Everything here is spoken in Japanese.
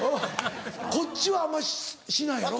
こっちはあんまりしないやろ？